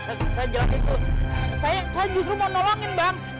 saya jelas gitu saya justru mau nolongin bang